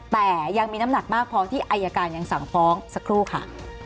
แต่ยังมีน้ำหนักมากพอที่อายการยังสั่งฟ้องสักครู่ค่ะ